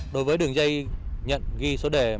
đối với đường dây nhận ghi số đề